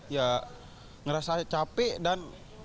ya ngerasa capek dan